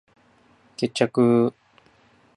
決着ゥゥゥゥゥ！